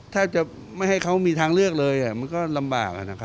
ถ้าจะไม่ให้เขามีทางเลือกเลยมันก็ลำบาก